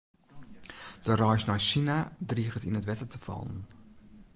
De reis nei Sina driget yn it wetter te fallen.